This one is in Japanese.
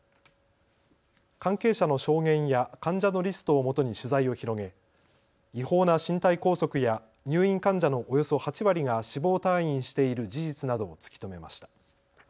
関係者の証言や患者のリストをもとに取材を広げ違法な身体拘束や入院患者のおよそ８割が死亡退院している事実などを突き止めました。